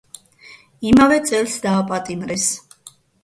იმავე წელს დააპატიმრეს.